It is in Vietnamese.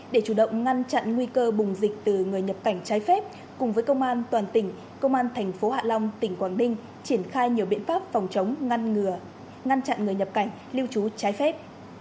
để chủ động ngăn chặn nguy cơ bùng dịch từ người nhập cảnh trái phép cùng với công an toàn tỉnh công an tp hạ long tỉnh quảng đinh triển khai nhiều biện pháp phòng chống ngăn ngừa ngăn chặn người nhập cảnh lưu trú trái phép